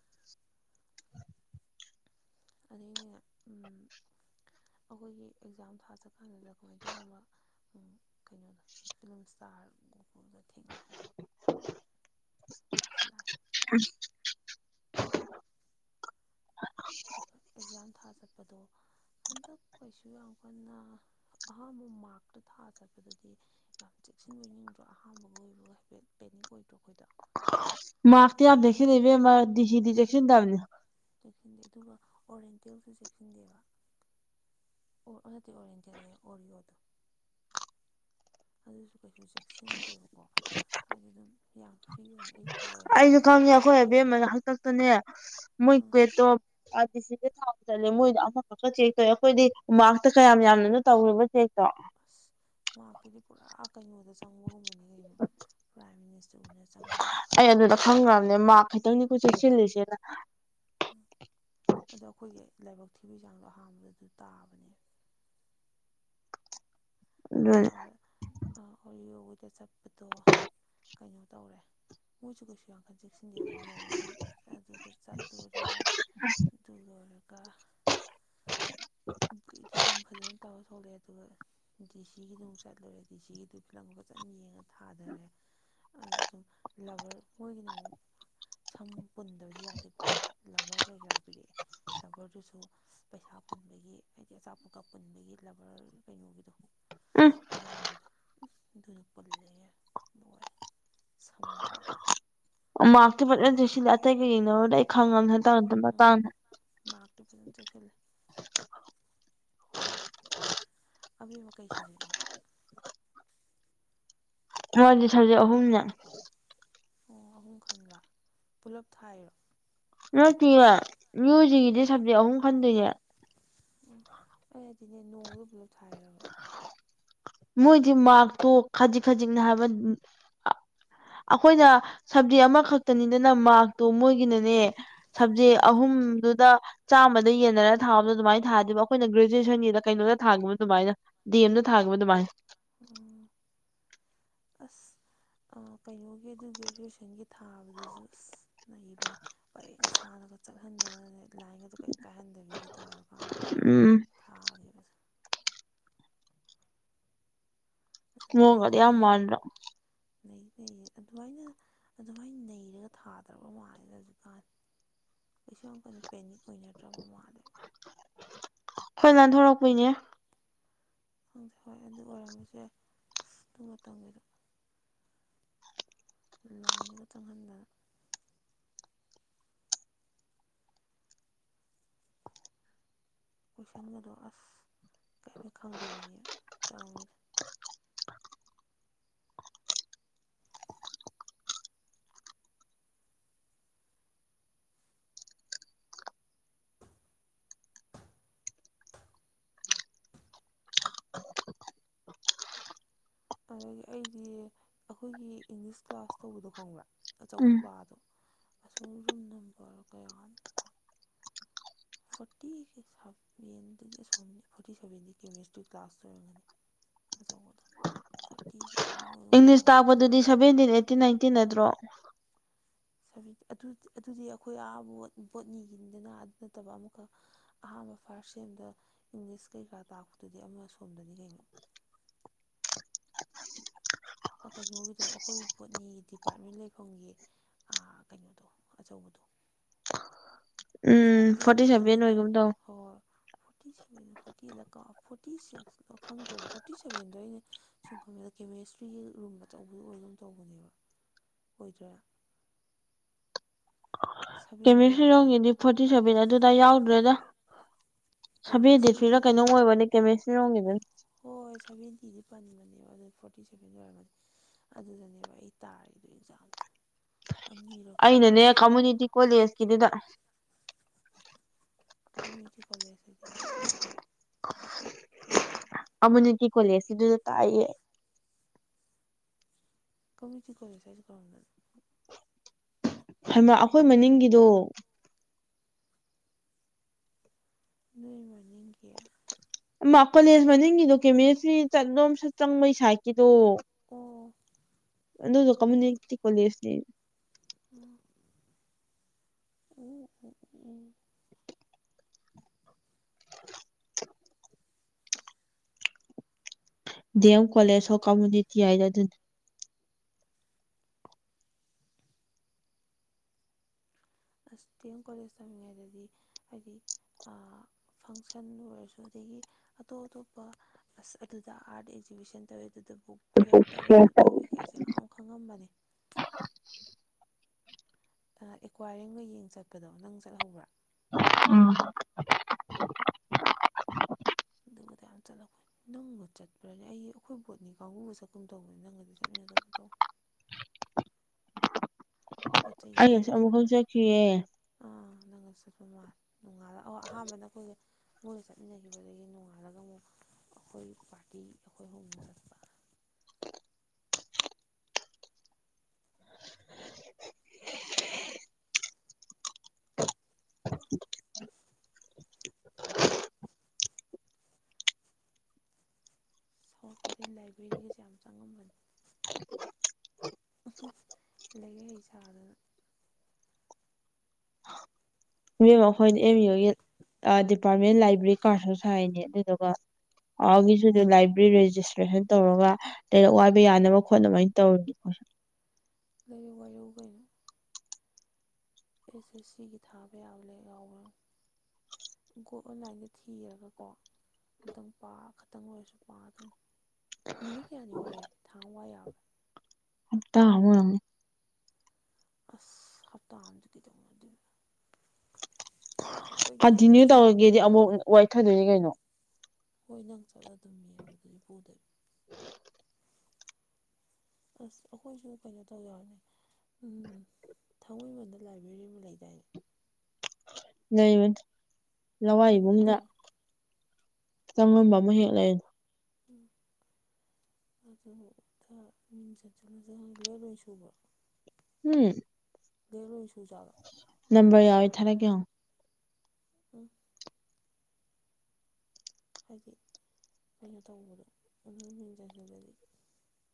[inaudible] ꯑꯗꯒꯤꯅꯦ ꯑꯩꯈꯣꯏꯒꯤ ꯑꯦꯛꯖꯥꯝ ꯊꯥꯖꯀꯥꯟꯗꯨꯗ ꯀꯃꯥꯏ ꯀꯩꯒꯨꯝꯕ ꯀꯩꯅꯣꯗꯣ ꯐꯤꯂꯝꯂꯝ ꯏꯁꯇꯥꯔ ꯒꯨꯀꯨꯜꯒ ꯊꯦꯡꯅꯩ ꯃꯥꯁꯨ ꯂꯥꯛ ꯎ ꯑꯗꯨꯒ ꯑꯦꯛꯖꯥꯝ ꯊꯥ ꯆꯠꯄꯗꯣ ꯍꯟꯗꯛ ꯀꯩꯁꯨ ꯌꯥꯝ ꯀꯟꯅ ꯑꯍꯥꯝꯕ ꯃꯥꯛꯔꯛꯇ ꯊꯥꯑ ꯆꯠꯄꯗꯗꯤ ꯌꯥꯝ ꯆꯦꯛꯁꯤꯟꯕꯅꯤꯡꯗ꯭ꯔꯣ ꯑꯍꯥꯥꯟꯕꯒ ꯑꯣꯏꯕꯒ ꯍꯥꯏꯐꯦꯠ ꯀꯣꯏꯗꯣ ꯑꯩꯈꯣꯏꯗ ꯃꯥꯥꯛ ꯇ ꯌꯥꯝꯗꯦ ꯂꯩꯕꯤ ꯃꯥ ꯁꯤꯗꯤꯁꯤ ꯇꯕꯅꯤ ꯆꯦꯛꯁꯤꯟꯗꯦ ꯑꯗꯨꯒ ꯑꯣꯔꯦꯟꯇꯦꯜꯁꯨ ꯆꯦꯛꯁꯤꯟꯗꯦꯕ ꯑꯣꯗꯤ ꯑꯣꯔ ꯏꯟꯗꯤꯌꯥꯗ ꯑꯣꯔꯤꯌꯣꯗ ꯑꯗꯨꯁꯨ ꯀꯩꯁꯨ ꯆꯦꯛꯁꯤꯟꯗꯦꯕꯀꯣ ꯑꯗꯨ ꯑꯗꯨꯝ ꯌꯥꯝ ꯐ꯭ꯔꯤ ꯑꯣꯏꯅ ꯑꯌꯨꯛ ꯑꯩꯁꯨ ꯈꯪꯉꯦ ꯑꯩꯈꯣꯏ ꯑꯕꯦꯝꯕꯅ ꯍꯥꯛꯇꯛꯇꯅꯦ ꯃꯣꯏ ꯎꯝ ꯀ꯭ꯋꯦꯠꯇꯣ ꯑꯗꯤ ꯁꯤꯗ ꯊꯥꯎ ꯆꯠꯂꯦ ꯃꯣꯏꯗ ꯑꯃꯈꯛꯀ ꯆꯦꯛ ꯇꯧꯋꯦ ꯑꯩꯈꯣꯏꯗꯤ ꯎ ꯃꯇ ꯀꯌꯥꯝ ꯌꯥꯝꯅꯣ ꯇꯧꯔꯦꯕ ꯆꯦꯛꯇꯣ ꯃꯥ ꯀꯗꯤ ꯄꯨꯔ ꯀꯩꯅꯣꯗ ꯆꯪꯕꯒꯨꯝꯕꯅꯤ ꯀꯩꯅꯣ ꯄ꯭ꯔꯥꯏꯝ ꯃꯤꯅꯤꯁꯇꯔꯅ ꯆꯪꯕꯒ ꯆꯞ ꯃꯅ ꯃꯥ ꯈꯤꯇꯪꯅꯤꯀꯣꯏ ꯆꯦꯛꯁꯤꯜꯂꯤꯁꯦꯅ ꯎꯝ ꯑꯗꯣ ꯑꯩꯈꯣꯏꯒꯤ ꯂꯥꯏꯕꯛ ꯊꯤꯕ ꯆꯥꯡꯗꯣ ꯑꯍꯥꯟꯕꯗ ꯑꯗꯨ ꯇꯥꯕꯅꯦ ꯑꯗꯨꯅꯦ ꯑ ꯗ ꯆꯠꯄꯗꯣ ꯀꯩꯅꯣ ꯇꯧꯔꯦ ꯃꯣꯏꯁꯨ ꯀꯩꯁꯨ ꯌꯥꯝꯦ ꯈꯖꯤꯦꯛ ꯁꯤꯟꯗꯤ ꯑꯗꯨꯗꯅꯦ ꯑꯗꯨꯗ ꯆꯠꯂꯨꯔꯦ ꯑꯗꯨꯒꯔ ꯗꯤ ꯑꯗꯨꯝ ꯐꯖꯅ ꯇꯧꯔ ꯊꯣꯛꯂꯛꯑꯦ ꯑꯗꯨꯒ ꯗꯤ ꯁꯤꯒꯤꯗꯨ ꯑꯃꯨꯛ ꯆꯠꯂꯨꯔꯦ ꯗꯤ ꯁꯤꯒꯤꯗꯨ ꯐꯤꯂꯝꯒ ꯐꯖꯅ ꯌꯦꯡꯉ ꯊꯥꯊꯔꯦ ꯑ ꯑꯗꯨꯝ ꯂꯕꯔ ꯃꯣꯏꯒꯤꯅ ꯑꯃꯨꯛ ꯁꯝ ꯄꯨꯟꯗꯕꯗꯤ ꯌꯥꯗꯦꯕꯀꯣ ꯂꯚꯔ ꯀꯩ ꯀꯔꯥ ꯄꯤꯔꯛꯑꯦ ꯂꯕꯔꯗꯨꯁꯨ ꯄꯩꯁꯥ ꯄꯨꯟꯕꯒꯤ ꯍꯥꯏꯗꯤ ꯑꯆꯥꯄꯣꯠꯀꯛ ꯄꯨꯟꯕꯒꯤ ꯂꯕꯔ ꯀꯩꯅꯣꯒꯤꯗꯣ ꯎꯝ ꯑꯅꯥꯕꯗ ꯑꯗꯨꯗ ꯄꯨꯜꯂꯦ ꯂꯣꯏ ꯁꯝ ꯃꯥꯒꯛꯇ ꯄꯂꯁꯤ ꯑꯇꯇꯩ ꯀꯅ ꯈꯪꯉ ꯎꯝ ꯃꯥꯔꯇꯨ ꯐꯖꯅ ꯆꯠꯁꯤꯜꯂꯦ ꯑꯕ ꯋꯥ ꯀꯩ ꯁꯖꯦꯛ ꯃꯣꯏꯗꯤ ꯁꯕꯖꯦꯛ ꯑꯍꯨꯝꯅꯦ ꯑꯣ ꯑꯍꯨꯝ ꯈꯟꯕ ꯄꯨꯂꯞ ꯊꯥꯏꯔꯣ ꯑꯗꯨꯗ ꯅꯠꯇꯌꯦ ꯃ꯭ꯌꯨꯖꯤꯛꯀꯤꯗꯤ ꯁꯕꯖꯦꯛ ꯑꯍꯨꯝ ꯈꯟꯗꯣꯏꯅꯦ ꯎꯝ ꯍ ꯑꯗꯨꯗꯤꯅꯦ ꯅꯣꯡꯗꯨ ꯄꯨꯂꯞ ꯊꯥꯏꯔꯕ ꯃꯣꯏꯗꯤ ꯃꯥꯔꯛꯇꯣ ꯈꯖꯤꯛ ꯈꯖꯤꯛꯅ ꯍꯥꯏꯕ ꯑꯩꯈꯣꯏꯅ ꯁꯕꯖꯦꯛ ꯑꯃꯈꯛꯇꯅꯤꯗꯅ ꯃꯥꯔꯛꯇꯣ ꯃꯣꯏꯒꯤꯅꯅꯦ ꯁꯕꯖꯤ ꯑꯥ ꯑꯍꯨꯝꯗꯨꯗ ꯆꯥꯝꯃꯗ ꯌꯦꯟꯅꯔꯒ ꯊꯥꯕꯗꯣ ꯑꯗꯨꯃꯥꯏꯅ ꯊꯥꯗꯕ ꯑꯩꯈꯣꯏꯅ ꯒ꯭ꯔꯦꯖꯨꯋꯦꯁꯟꯒꯤꯗ ꯀꯩꯅꯣꯗ ꯊꯥꯈꯤꯕ ꯑꯗꯨꯃꯥꯏꯅ ꯗꯤ ꯑꯦꯝꯗ ꯊꯥ ꯑꯗꯨꯃꯥꯏ ꯑꯣ ꯑꯁ ꯀꯩꯅꯣꯒꯤ ꯑꯗꯨ ꯒ꯭ꯔꯦꯖꯨꯋꯦꯁꯟꯒꯤ ꯊꯥꯕꯗꯁꯨ ꯑꯁ ꯂꯩꯕꯅꯦ ꯄꯔꯦꯡ ꯁꯅꯕ ꯆꯠꯍꯟꯗꯅ ꯂꯥꯏꯟ ꯑꯗꯨ ꯀꯔꯤꯝ ꯀꯥꯏꯍꯟꯗꯕꯤꯒꯦ ꯇꯧꯔ ꯀꯥꯟꯗꯒ ꯎꯝ ꯊꯥꯈꯤꯕꯁꯦ ꯃ ꯀꯗꯤ ꯌꯥꯝ ꯃꯥꯟ꯭ꯔ ꯂꯩ ꯂꯩ ꯑꯗꯨꯃꯥꯏꯅ ꯑꯗꯨꯃꯥꯏꯅ ꯅꯩꯔꯒ ꯊꯥꯗ꯭ꯔꯕ ꯃꯥꯜꯂꯦꯗ ꯍꯧꯖꯤꯛꯀꯥꯟ ꯄꯩꯁ ꯀꯩꯅ ꯄꯦꯅꯤꯛ ꯑꯣꯏꯅꯅꯠꯇ꯭ꯔꯕ ꯃꯥꯔꯦ ꯍꯣꯏ ꯂꯟꯊꯣꯔꯛꯄꯣꯏꯅꯦ ꯍꯪꯁꯦ ꯍꯣꯏ ꯑꯗꯨ ꯑꯣꯏꯔꯝꯃꯁꯦ ꯑꯁ ꯑꯗꯨ ꯃꯇꯝꯒꯤꯗꯣ ꯂꯥꯏꯅꯒ ꯆꯪꯍꯟꯗꯅ ꯀꯣꯏꯁꯟꯒꯗꯣ ꯑꯁ ꯀꯔꯤꯝꯇ ꯈꯪꯗꯕꯤꯅꯦ ꯇꯧꯔꯃꯤꯅ ꯑꯗꯒꯤ ꯑꯩꯗꯤ ꯑꯩꯈꯣꯏꯒꯤ ꯏꯪꯂꯤꯁ ꯀ꯭ꯂꯥꯁ ꯇꯧꯕꯗꯣ ꯈꯪꯕ꯭ꯔꯥ ꯑꯆꯧꯕ ꯎꯝ ꯀ꯭ꯂꯥꯁꯗꯣ ꯑꯁ ꯔꯨꯝ ꯅꯝꯗꯔꯣ ꯀꯌꯥ ꯐꯣꯔꯇꯤ ꯁꯚꯦꯟꯗꯨꯗꯤ ꯑꯁꯣꯝ ꯐꯣꯔꯇꯤ ꯁꯚꯦꯟꯗꯤ ꯀꯦꯃꯦꯁꯇ꯭ꯔꯤ ꯀ꯭ꯂꯥꯁ ꯑꯣꯏꯔꯝꯒꯅꯤ ꯑꯗ ꯏꯪꯂꯤꯁ ꯇꯥꯛꯄꯗꯨꯗꯤ ꯁꯚꯦꯟꯇꯤꯟ ꯑꯩꯠꯇꯤ ꯅꯥꯏꯟꯇꯤ ꯅꯠꯇ꯭ꯔꯣ ꯑꯗꯨꯗꯤ ꯑꯩꯈꯣꯏ ꯑꯍꯥꯕ ꯕꯣꯠ ꯅꯤꯈꯤꯅꯤꯗꯅ ꯑꯗꯨ ꯅꯠꯇꯕ ꯑꯃꯨꯛꯀꯛ ꯑꯍꯥꯥꯟꯕ ꯐꯔ ꯑꯥꯔꯁꯦꯝꯗ ꯏꯪꯂꯤꯁ ꯀꯩꯀꯥ ꯇꯥꯛꯄꯗꯨꯗꯤ ꯑꯃ ꯑꯁꯣꯝꯗꯅꯤ ꯀꯩꯅꯩꯅꯣ ꯀꯩꯅꯣꯒꯤꯗꯣ ꯑꯩꯈꯣꯏ ꯄꯣꯠꯅꯤ ꯗꯤꯄꯥꯔꯠꯃꯦꯟ ꯂꯩꯐꯝꯒꯤ ꯀꯩꯅꯣꯗꯣ ꯑꯆꯧꯕꯗꯣ [inaudible] ꯎꯝ ꯑꯁꯣꯝꯒꯤ ꯐꯣꯔꯇꯤ ꯇꯣꯏꯂꯦ ꯁꯚꯦꯟ ꯍꯣꯏ ꯑꯣꯏꯒꯨꯝ ꯇꯧ ꯍꯣꯏ ꯐꯇꯤ ꯐꯣꯔꯇꯤ ꯀ ꯐꯣꯔꯇꯤ ꯁꯤꯛꯁ ꯈꯪꯗ꯭ꯔꯦꯕ ꯐꯣꯔꯇꯤ ꯁꯕꯦꯟꯗꯣ ꯑꯩꯅ ꯁꯨꯝ ꯈꯪꯕꯦꯗ ꯀꯦꯃꯦꯁꯇ꯭ꯔꯤꯒꯤ ꯔꯨꯝ ꯑꯆꯧꯕ ꯑꯗꯨꯝ ꯇꯧꯕꯅꯦꯕ ꯑꯣꯏꯗ꯭ꯔꯥ ꯁꯚꯦꯟꯗꯤ ꯌꯥꯎꯕꯅꯦ ꯀꯦꯃꯤꯁꯇ꯭ꯔꯤꯔꯣꯝꯒꯤꯗꯤ ꯐꯣꯔꯇꯤ ꯁꯦꯚꯦꯟ ꯑꯗꯨꯗꯥ ꯌꯥꯎꯗ꯭ꯔꯦꯗ ꯊꯕꯤꯦꯗꯤ ꯀꯦꯃꯦꯁꯇ꯭ꯔꯤꯒꯤ ꯐꯤꯔ ꯀꯩꯅꯅꯨꯡ ꯑꯣꯏꯕꯅꯤ ꯀꯦꯃꯦꯁꯇꯔꯤꯔꯣꯡꯒꯤꯕ ꯄꯅꯤꯕꯅꯤꯕ ꯐꯣꯔꯇꯤ ꯁꯚꯦꯟ ꯂ ꯑꯣꯏꯔꯝꯃꯅꯤ ꯑꯗꯨꯗꯅꯦꯕ ꯑꯩ ꯇꯥꯔꯤꯗꯣ ꯑꯦꯛꯖꯥꯝꯗꯣ ꯑꯅꯤꯔꯛ ꯑꯩꯅꯅꯦ ꯊꯥꯎ ꯀꯝꯃꯨꯅꯤꯇꯤ ꯀꯣꯂꯦꯖꯀꯤꯗꯨꯗ ꯀꯝꯃ꯭ꯌꯨꯅꯤꯇꯤ ꯀꯣꯂꯦꯖ ꯍꯥꯏꯗꯤ ꯀꯃꯨꯅꯤꯇꯤ ꯀꯣꯂꯦꯖ ꯑꯗꯨꯗ ꯇꯥꯛꯌꯦ ꯀꯃꯤꯇꯤ ꯀꯂꯦ ꯁꯥꯏꯠꯀꯔ ꯑꯩꯈꯣꯏ ꯃꯅꯤꯡꯒꯤꯗꯣ ꯗ ꯃꯃꯤ ꯀꯌꯥ ꯃꯥ ꯀꯣꯂꯦꯖ ꯃꯅꯤꯡꯒꯤꯗꯣ ꯀꯦꯃꯦꯁꯇ꯭ꯔꯤ ꯆꯠꯂꯣꯝꯁꯨ ꯆꯪꯕꯩ ꯁꯥꯏꯀꯤꯗꯣ ꯑꯣ ꯑꯗꯨ ꯀꯃꯨꯅꯤꯇꯤ ꯀꯣꯂꯦꯖꯅꯤ ꯎꯝ ꯎꯝ ꯎꯝ D M college of community ꯍꯥꯏꯅ ꯑꯗꯨꯅꯤ ꯑꯁ ꯇꯤ ꯑꯦꯝ ꯀꯣꯂꯦꯖ ꯇꯝꯃꯤꯉꯩꯗꯗꯤ ꯍꯥꯏꯗꯤ ꯐꯪꯁꯟ ꯑꯣꯏꯔꯁꯨꯩ ꯑꯇꯣꯞ ꯑꯇꯣꯞꯄ ꯑ ꯑꯗꯨꯗ ꯑꯥꯔ ꯑꯦꯛꯖꯤꯕꯤꯁꯟ ꯇꯧꯋꯦ ꯕꯨꯛ ꯐꯤꯌꯔ ꯇꯧꯏꯤ ꯑꯗꯨ ꯇꯧꯏꯤ ꯀꯩꯁꯦ ꯌꯥꯝ ꯈꯪꯉꯝꯕꯅꯦ ꯑꯦꯀ꯭ꯋꯥꯏꯔꯤꯦꯡꯒ ꯌꯦꯡ ꯆꯠꯄꯗꯣ ꯅꯪ ꯆꯠꯍꯧꯕ꯭ꯔꯥ ꯎꯝ ꯑꯗꯨꯕꯨ ꯂ ꯅꯪꯕꯨ ꯆꯠꯄ꯭ꯔꯅꯦ ꯑꯩ ꯑꯩꯈꯣꯏ ꯕꯣꯠꯅꯤ ꯀꯥꯡꯕꯨ ꯆꯠꯀꯨꯝ ꯇꯧꯕꯅꯤ ꯅꯪꯒꯗꯤ ꯆꯠꯃꯤꯟꯅꯗꯕ ꯇꯧ [inaudible] ꯄꯣꯠ ꯆꯩꯩꯒ ꯑꯩ ꯉꯁꯤ ꯂꯩꯕ ꯑꯃꯨꯛꯈꯛ ꯆꯠꯄ ꯆꯠꯈꯤꯌꯦ ꯑꯥ ꯅꯪꯒ ꯆꯠꯄ ꯃꯥꯜꯂꯦ ꯅꯣꯡꯉꯥꯜꯂꯒ ꯑꯍꯥꯟꯕꯗ ꯑꯩꯈꯣꯏꯁꯦ ꯃꯣꯏꯒ ꯆꯠꯃꯤꯟꯅꯈꯤꯕꯗꯒꯤ ꯅꯣꯡꯉꯥꯜꯂꯒ ꯑꯃꯨꯛ ꯑꯩꯈꯣꯏ ꯄꯥꯔꯇꯤ ꯑꯩꯈꯣꯏ ꯍꯣꯡꯕꯨ ꯆꯠꯄ ꯊ ꯁꯔꯛꯄꯗꯒꯤ ꯂꯥꯏꯕ꯭ꯔꯦꯔꯤꯒꯤꯁꯦ ꯌꯥꯝ ꯆꯪꯉꯝꯕꯅꯤ ꯂꯩꯒꯦ ꯍ ꯆꯗ ꯃꯦꯝ ꯑꯩꯈꯣꯏꯅ ꯑꯦꯝ ꯌꯨꯒꯤ ꯗꯤꯄꯥꯔꯠꯃꯦꯟ ꯂꯥꯏꯕ꯭ꯔꯦꯔꯤ ꯀꯥꯔꯠꯁꯨ ꯁꯥꯏꯅꯦ ꯑꯗꯨꯗꯨꯒ ꯑꯒꯤꯁꯨ ꯂꯥꯏꯕ꯭ꯔꯦꯔꯤ ꯔꯦꯖꯤꯁꯇ꯭ꯔꯦꯁꯟ ꯇꯧꯔꯒ ꯂꯥꯏꯔꯛ ꯋꯥꯏꯕ ꯌꯥꯅꯕ ꯈꯣꯠꯅꯕꯥꯏꯅ ꯇꯧꯔꯤ ꯂꯩꯔ ꯋꯥꯔꯨ ꯑꯣꯏꯅ ꯑꯦꯁ ꯑꯦꯁ ꯁꯤꯒꯤ ꯊꯥꯕ ꯌꯥꯝꯂꯒꯥꯎꯕ ꯀꯣ ꯑꯣꯟꯂꯥꯏꯟꯗ ꯊꯤꯔꯒꯀꯣ ꯑꯇꯪ ꯄꯥ ꯈꯛꯇꯪ ꯑꯣꯏꯔꯁꯨ ꯄꯥ ꯑꯗꯨꯝ ꯅꯨꯃꯤꯠ ꯀꯌꯥꯅꯤ ꯋꯥꯏ ꯌꯥꯏ ꯊꯥꯡ ꯋꯥꯏ ꯌꯥꯕ ꯇ ꯑ ꯑꯁ ꯍꯞꯇꯥ ꯑꯗꯒꯤ ꯇꯧꯉꯗ ꯀꯟꯇꯤꯅ꯭ꯌꯨ ꯌꯥꯅꯤ ꯇꯧꯔꯒꯦꯗꯤ ꯑꯃꯨꯛ ꯋꯥꯏꯊꯗꯣꯏꯅꯤ ꯀꯩꯅꯣ ꯍꯣꯏ ꯅꯪ ꯆꯠꯂ ꯑꯗꯨꯝꯅꯦꯕ ꯑꯗꯨꯗꯤ ꯄꯨꯗꯣꯏ ꯎ ꯑꯁ ꯑꯩꯈꯣꯏꯁꯨ ꯀꯩꯅꯣ ꯇꯧꯖꯔꯅꯦ ꯎꯝ ꯊꯥꯡꯃꯩꯕꯟꯗ ꯂꯥꯏꯕ꯭ꯔꯦꯔꯤ ꯑꯃ ꯂꯩꯗꯥꯏꯅꯦ ꯂꯩꯕ ꯂꯋꯥꯏ ꯏꯕꯨꯡꯅ ꯑꯗꯨꯗ ꯆꯪꯕ ꯑꯃ ꯍꯦꯛꯂꯅ ꯎꯝ ꯑꯗꯨ ꯃꯤꯡ ꯆꯠꯁꯤꯜꯂꯁꯨ ꯍꯂꯦ ꯂꯣꯏ ꯁꯨꯕ ꯎꯝ ꯂꯩꯉ ꯅꯝꯕꯔ ꯌꯥꯎꯋꯦ ꯊꯥꯔꯛꯀꯦ ꯎꯝ ꯍꯥꯏꯗꯤ ꯀꯩꯅꯣ ꯇꯧꯕꯗꯣ ꯑꯗꯨ ꯃꯦꯟꯖꯖꯗꯗꯤ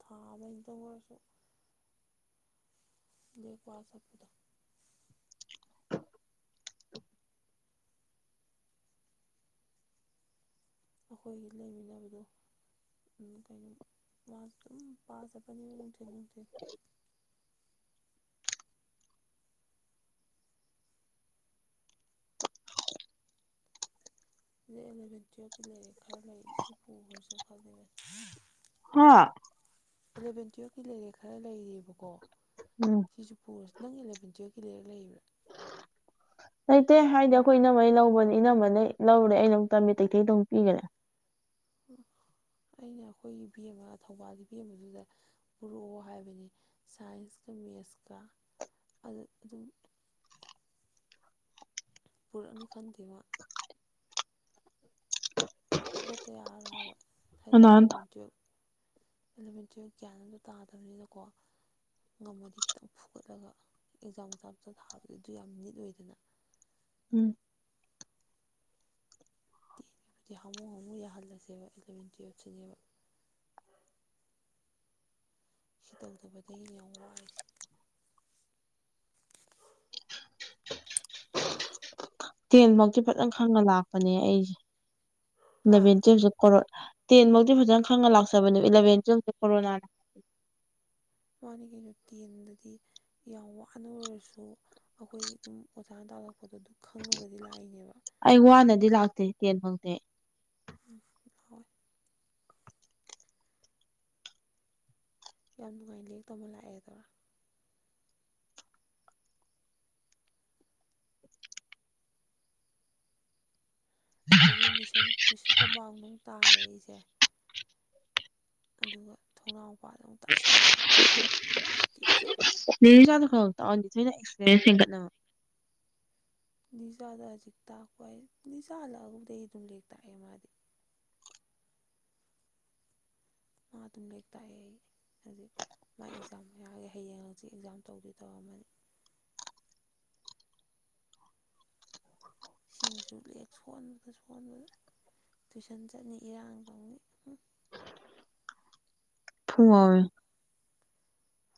ꯊꯥꯕꯒꯤꯇ ꯑꯣꯏꯔꯁꯨ ꯂꯩꯀ ꯁꯄꯗ ꯑꯩꯈꯣꯏꯒꯤ ꯂꯩꯃꯤꯟꯅꯕꯗꯨ ꯀꯩꯅ ꯃ ꯄꯥꯁ ꯅꯨꯡꯊꯤ ꯅꯨꯡꯊꯤ ꯑꯦꯂꯚꯦꯟ ꯇꯨꯋꯞꯀꯤ ꯂꯔꯛ ꯈꯔ ꯂꯩ ꯁꯤ ꯄꯨꯈ꯭ꯔꯁꯨꯦ ꯈꯜꯂꯤꯕ ꯍꯥꯥ ꯑꯦꯂꯚꯦꯟ ꯇꯨꯌꯦꯜꯞꯀꯤ ꯂꯩꯔꯦ ꯈꯔ ꯂꯩꯔꯦꯕꯀꯣ ꯎꯝ ꯁꯤꯁꯨ ꯄꯨꯔꯁꯤ ꯅꯪ ꯑꯦꯂꯚꯦꯟ ꯇꯨꯌꯦꯜꯀꯤ ꯂꯩꯔ ꯂꯩꯕ꯭ꯔꯥ ꯂꯩꯇꯦ ꯍꯥꯏꯗꯤ ꯑꯩꯈꯣꯏ ꯏꯅꯃꯩ ꯂꯧꯕꯅꯤ ꯏꯩꯅꯝꯕꯅ ꯂꯧꯔꯦ ꯑꯩꯅ ꯑꯃꯨ ꯇꯝꯃꯤ ꯇꯩꯊꯩꯗ ꯑꯃꯨꯛ ꯄꯤꯒꯅꯦꯦ ꯎꯝ ꯑꯩꯅ ꯑꯩꯈꯣꯏꯒꯤ ꯦꯝ ꯑꯃ ꯊꯧꯕꯥꯜꯒꯤ ꯚꯦꯝ ꯑꯃꯗꯨꯗ ꯎꯔꯛꯑꯣ ꯍꯥꯏꯕꯅꯤ ꯁꯥꯏꯟꯁ ꯑꯗꯨ ꯃꯁꯀꯥ ꯑꯗꯨ ꯑꯗꯨꯝ ꯄꯨꯔꯛꯅꯤ ꯈꯥꯟ ꯇ ꯐꯨꯒꯠꯇ ꯌꯥꯔꯣꯏ ꯍꯥꯏꯕ ꯍꯥꯏꯔꯤ ꯀꯅꯥꯅ ꯑꯦꯂꯚꯦꯟ ꯇꯨꯌꯦꯞ ꯑꯦꯂꯣꯃꯤꯦꯟꯇꯔꯤ ꯒ꯭ꯌꯥꯟ ꯑꯇ ꯇꯥꯗꯕꯅꯤꯅꯀꯣ ꯉꯝꯃꯗꯤ ꯈꯤꯇꯪ ꯐꯨꯒꯠꯂꯒ ꯑꯦꯛꯖꯥꯝ ꯃꯆꯥ ꯃꯆꯥ ꯊꯥꯕꯗ ꯑꯗꯨ ꯌꯥꯝ ꯅꯤꯠ ꯑꯣꯏꯗꯅ [inaudible] ꯎꯝ ꯇꯤꯉꯤꯕꯨꯗꯤ ꯍꯥꯃꯨ ꯍꯥꯃꯨ ꯌꯥꯍꯜꯂꯁꯦꯕ ꯏꯂꯚꯦꯟ ꯇꯨꯋꯜꯞꯁꯤꯅꯦꯕ ꯁꯤ ꯇꯧꯗꯕꯗ ꯑ ꯌꯥꯝ ꯋꯥꯦ ꯇꯦꯟꯃꯛꯇꯤ ꯐꯖꯅ ꯈꯪꯉ ꯂꯥꯛꯄꯅꯦ ꯑꯩꯁꯦ ꯍꯥ ꯏꯂꯚꯦꯟ ꯇꯨꯌꯦꯜꯞꯁꯦ ꯀꯣꯔ ꯇꯦꯟ ꯃꯧꯛꯇꯤ ꯐꯖꯅ ꯈꯪꯅ ꯂꯥꯛꯆꯕꯅꯦ ꯏꯂꯚꯦꯟ ꯍꯧ ꯀꯣꯔꯣꯅꯥꯅ ꯃꯥꯅꯤ ꯀꯩꯅꯣ ꯇꯦꯟꯗꯗꯤ ꯌꯥꯝ ꯋꯥꯅ ꯑꯣꯏꯔꯁꯨ ꯑꯩꯈꯣꯏ ꯑꯗꯨꯝ ꯑꯣꯖꯥꯅ ꯇꯥꯂꯛꯄ ꯄꯣꯠꯇꯨ ꯑꯗꯨ ꯈꯪꯉꯒꯗꯤ ꯂꯥꯛꯏꯅꯦꯕ ꯗꯤ ꯂꯥꯛꯇꯦ ꯇꯦꯟ ꯐꯪꯗꯦ ꯍꯣꯏ ꯌꯥꯝ ꯅꯨꯡꯉꯥꯏ ꯂ ꯇꯧꯃ ꯂꯥꯛꯑꯦꯗꯥ ꯑꯗꯒꯤ ꯃꯤꯁꯤꯟ ꯃꯤꯦꯁꯟ ꯀꯝꯄꯥꯎꯟ ꯅꯨꯡ ꯇꯥꯔꯦ ꯑꯩꯁꯦ ꯑꯗꯨꯒ ꯊꯣꯡꯅꯥꯎꯄꯥꯗ ꯑꯃꯨꯛ ꯇꯥꯁꯂꯑꯦ ꯄꯤꯛꯇ ꯇꯦꯛ ꯆ ꯥꯗ ꯈ ꯇꯥꯑꯗꯤ ꯊꯣꯏꯅ ꯑꯦꯛꯁꯄꯤꯔꯟꯁ ꯍꯦꯟꯒꯠꯅꯕ ꯅꯤꯁꯥꯗ ꯍꯧꯖꯤꯛ ꯇꯥꯛꯄ ꯍꯥꯏ ꯅꯤꯁꯥ ꯍꯜꯂꯛꯑꯒꯕꯨꯗꯒꯤ ꯑꯗꯨꯝ ꯂꯦꯛ ꯇꯥꯛꯑꯦ ꯃꯥꯗꯤ ꯃꯥ ꯑꯗꯨꯝ ꯂꯩ ꯇꯑ ꯍꯧꯖꯤꯛ ꯃꯥ ꯑꯦꯛꯖꯥꯝ ꯌꯥꯔꯒꯦ ꯍꯌꯦꯡꯁꯤ ꯑꯦꯛꯖꯥꯝ ꯇꯧꯗꯣꯏ ꯇꯧꯔꯝꯃꯅꯤ ꯁꯤꯃꯁꯨ ꯂꯦꯛ ꯁꯣꯟꯕꯗ ꯁꯣꯟꯕꯗ ꯇꯨꯏꯁꯟ ꯆꯠꯅꯤ ꯏꯔꯥꯡ ꯇꯧꯅꯤ ꯊꯨꯡ ꯑꯣꯏ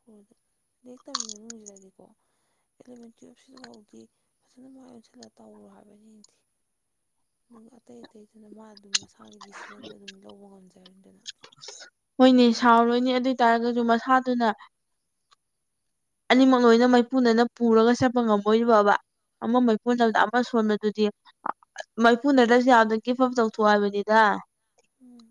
ꯍꯣꯏ ꯑꯗꯨ ꯂꯦꯛ ꯇꯝꯕꯤꯕ ꯃꯅꯨꯡꯁꯤꯗꯗꯤꯀꯣ ꯑꯦꯂꯚꯦꯟ ꯇꯨꯌꯦꯜꯞꯁꯤꯐꯥꯎꯗꯤ ꯐꯖꯅ ꯃꯥꯏ ꯑꯣꯟꯁꯤꯜꯂ ꯇꯧꯔꯣ ꯍꯥꯏꯕꯅꯤ ꯌꯦꯡꯗꯤ ꯑꯗꯨꯒ ꯑꯇꯩ ꯑꯇꯩꯗꯨꯅ ꯃꯥ ꯑꯗꯨꯝ ꯃꯁꯥꯒꯤ ꯗꯤꯁꯤꯖꯟꯗꯣ ꯑꯗꯨꯝ ꯂꯧꯕ ꯉꯝꯖꯔꯅꯤꯗꯅ ꯍꯣꯏꯅꯦ ꯁꯥꯎꯔꯣꯏꯅꯦ ꯑꯗꯨ ꯑꯣꯏ ꯇꯔꯒꯁꯨ ꯃꯁꯥꯗꯨꯅ ꯑꯅꯤꯃꯛ ꯅꯣꯏꯅ ꯃꯩꯄꯨꯅꯅ ꯄꯨꯔꯒ ꯆꯠꯄ ꯉꯝꯃꯣꯏꯔꯤꯕꯕ ꯑꯃ ꯃꯩꯐꯨ ꯇꯗ ꯄꯪ ꯑꯃ ꯁꯣꯟꯕꯗꯨꯗꯤ ꯃꯩꯐꯨꯅꯗꯁꯨ ꯌꯥꯝꯅ ꯀꯦꯞꯐꯝ ꯇꯧꯊꯣꯛꯑꯕꯅꯤꯗ ꯎꯝ